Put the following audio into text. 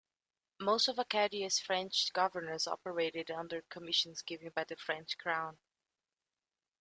Most of Acadia's French governors operated under commissions given by the French crown.